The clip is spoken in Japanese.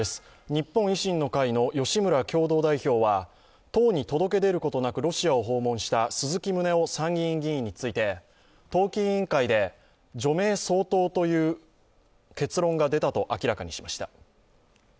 日本維新の会の吉村共同代表は党に届け出ることなくロシアを訪問した鈴木宗男参議院議員について党紀委員会で除名相当という結論が出たと明らかにしました。